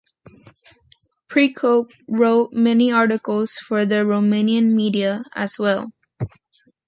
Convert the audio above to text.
Pricope wrote many articles for the Romanian media, as well.